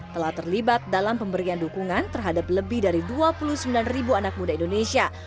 telah terlibat dalam pemberian dukungan terhadap lebih dari dua puluh sembilan ribu anak muda indonesia